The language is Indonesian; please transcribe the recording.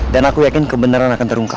dan aku yakin kebenaran akan terungkap